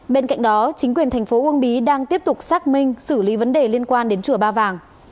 bên cạnh đó chính quyền thành phố uông bí đang tiếp tục xác minh xử lý vấn đề liên quan đến chùa ba vàng